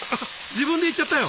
自分で言っちゃったよ！